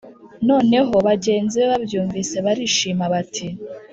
noneho bagenzi be babyumvise barishima., bati: